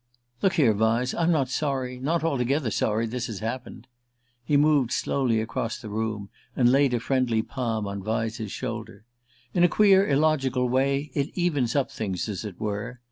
"Look here, Vyse I'm not sorry not altogether sorry this has happened!" He moved slowly across the room, and laid a friendly palm on Vyse's shoulder. "In a queer illogical way it evens up things, as it were.